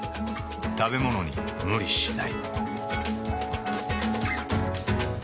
食べものに無理しない。